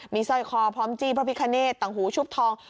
มีสร้อยคอพร้อมจี้พระพิคเนตตังหูชุบทอง